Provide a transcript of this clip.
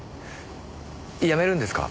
辞めるんですか？